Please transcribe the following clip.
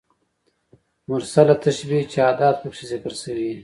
مرسله تشبېه چي ادات پکښي ذکر سوي يي.